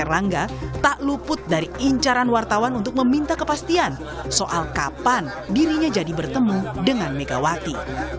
erlangga tak luput dari incaran wartawan untuk meminta kepastian soal kapan dirinya jadi bertemu dengan megawati